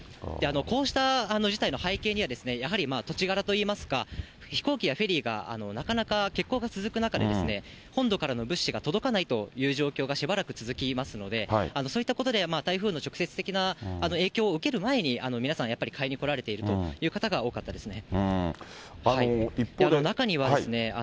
こうした事態の背景には、やはり土地柄といいますか、飛行機やフェリーがなかなか欠航が続く中で、本土からの物資が届かないという状況がしばらく続きますので、そういったことで、台風の直接的な影響を受ける前に、皆さんやっぱり買いに来られているという方が多かったですね。